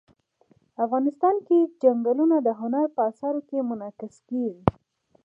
افغانستان کې چنګلونه د هنر په اثار کې منعکس کېږي.